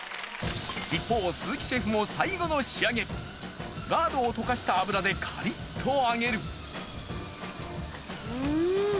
一方鈴木シェフも最後の仕上げラードを溶かした油でカリっと揚げるうん！